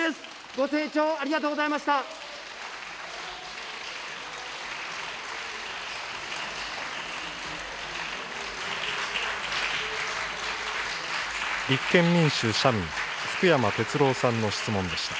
ご清聴ありがとうございました。